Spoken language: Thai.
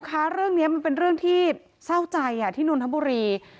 คะเรื่องนี้มันเป็นเรื่องที่เศร้าใจที่นนทบุรี